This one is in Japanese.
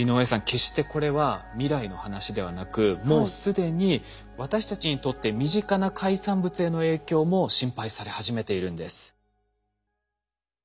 決してこれは未来の話ではなくもう既に私たちにとって身近な海産物への影響も心配され始めているんです。